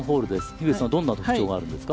樋口さん、どんな特徴があるんですか。